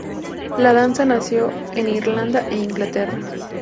La danza nació en Irlanda e Inglaterra.